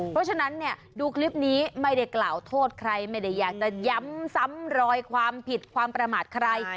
เพราะฉะนั้นเนี่ยดูคลิปนี้ไม่ได้กล่าวโทษใครไม่ได้อยากจะย้ำซ้ำรอยความผิดความประมาทใคร